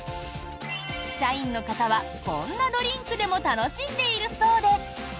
社員の方は、こんなドリンクでも楽しんでいるそうで。